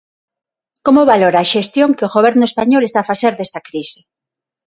Como valora a xestión que o Goberno español está a facer desta crise?